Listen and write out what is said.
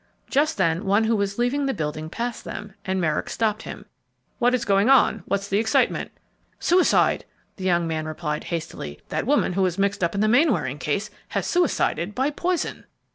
Just then one who was leaving the building passed them, and Merrick stopped him. "What is going on? What's the excitement?" "Suicide!" the young man replied, hastily. "That woman who was mixed up in the Mainwaring case has suicided by poison."